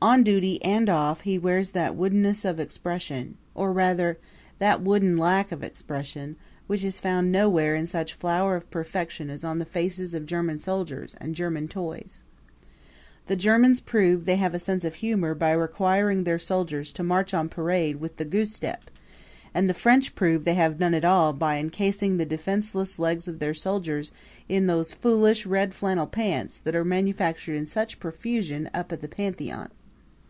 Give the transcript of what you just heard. On duty and off he wears that woodenness of expression or, rather, that wooden lack of expression which is found nowhere in such flower of perfection as on the faces of German soldiers and German toys. The Germans prove they have a sense of humor by requiring their soldiers to march on parade with the goose step; and the French prove they have none at all by incasing the defenseless legs of their soldiers in those foolish red flannel pants that are manufactured in such profusion up at the Pantheon.